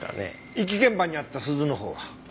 遺棄現場にあった鈴のほうは？